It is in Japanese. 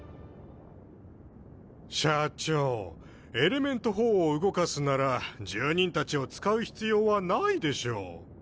・社長エレメント４を動かすなら住人たちを使う必要はないでしょう・